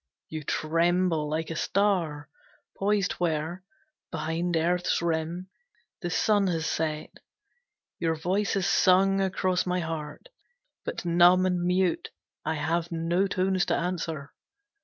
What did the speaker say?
You tremble like a star Poised where, behind earth's rim, the sun has set. Your voice has sung across my heart, but numb And mute, I have no tones to answer.